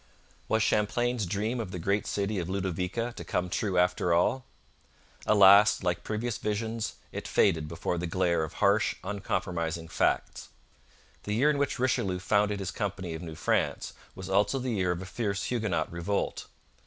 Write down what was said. Was Champlain's dream of the great city of Ludovica to come true after all? Alas, like previous visions, it faded before the glare of harsh, uncompromising facts. The year in which Richelieu founded his Company of New France was also the year of a fierce Huguenot revolt.